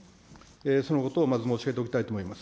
そのことをまず申し上げておきたいと思います。